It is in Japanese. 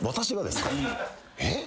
えっ。